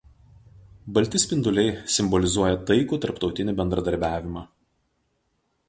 Balti spinduliai simbolizuoja taikų tarptautinį bendradarbiavimą.